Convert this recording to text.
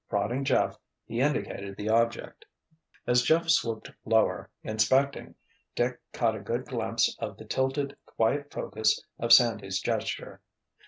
Prodding Jeff, he indicated the object. As Jeff swooped lower, inspecting, Dick caught a good glimpse of the tilted, quiet focus of Sandy's gesture.